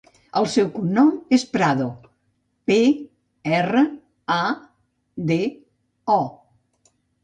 El seu cognom és Prado: pe, erra, a, de, o.